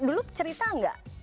dulu cerita gak